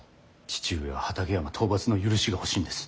父上は畠山討伐の許しが欲しいんです。